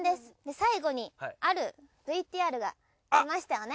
最後にあるＶＴＲが出ましたよね？